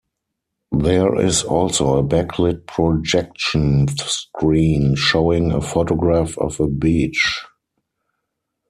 There is also a back-lit projection screen showing a photograph of a beach.